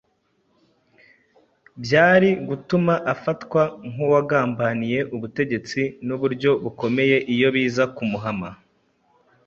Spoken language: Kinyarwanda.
byari gutuma afatwa nk’uwagambaniye ubutegetsi mu buryo bukomeye iyo biza kumuhama